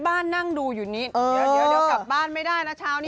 คนที่บ้านนั่งดูอยู่นี้เดี๋ยวเดี๋ยวกลับบ้านไม่ได้นะเช้านี้น่ะ